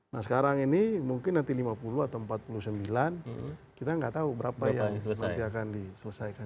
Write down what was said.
nah sekarang ini mungkin nanti lima puluh atau empat puluh sembilan kita nggak tahu berapa yang nanti akan diselesaikan